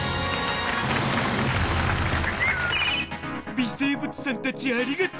微生物さんたちありがとう！